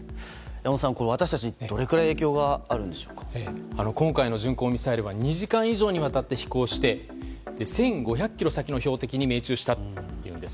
小野さん、これ私たちどれくらい影響が今回の巡航ミサイルは２時間以上にわたって飛行して１５００ｋｍ先の標的に命中したというんです。